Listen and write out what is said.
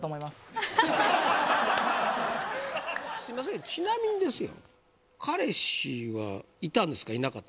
すいませんちなみにですよ。